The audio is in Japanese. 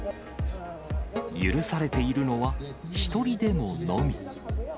許されているのは、１人デモのみ。